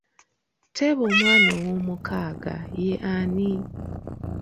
Teeba omwana owoomukaaga ye ani?